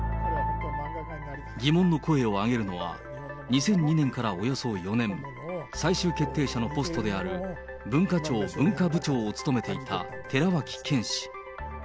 疑問の声を上げるのは、２００２年からおよそ４年、最終決定者のポストである文化庁文化部長を務めていた寺脇研氏。